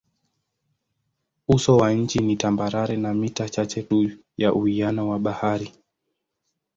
Uso wa nchi ni tambarare na mita chache tu juu ya uwiano wa bahari.